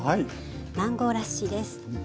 マンゴーラッシーです。